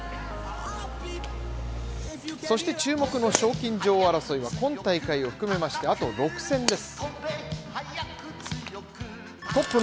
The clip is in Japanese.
そして注目の賞金女王争いは今大会を含めましてあと６戦です。